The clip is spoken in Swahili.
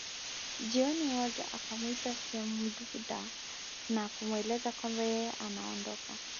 Jioni moja akamwita Semduda na kumweleza kwamba yeye anaondoka